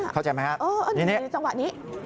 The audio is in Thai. เข้าใจไหมครับนิดนิดครับหนุ่มนี้